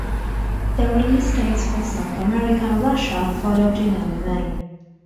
The release dates for South America and Russia followed in early May.